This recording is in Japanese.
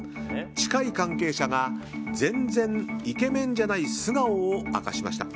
近い関係者が全然イケメンじゃない素顔を明かしました。